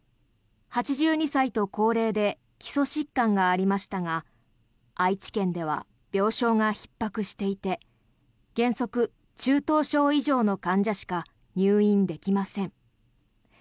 ８２歳と高齢で基礎疾患がありましたが愛知県では病床がひっ迫していて原則、中等症以上の患者しか入院できません。